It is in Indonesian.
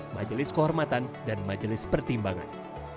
majelis kehormatan dan majelis pertimbangan